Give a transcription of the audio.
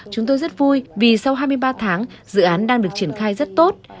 chúng tôi rất vui vì sau hai mươi ba tháng dự án đang được triển khai rất tốt